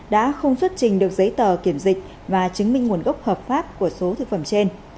đã không xuất trình được giấy tờ kiểm dịch và chứng minh nguồn gốc hợp pháp của số thực phẩm trên